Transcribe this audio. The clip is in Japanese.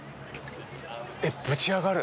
えっぶちあがる。